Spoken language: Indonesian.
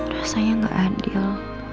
rasanya gak adil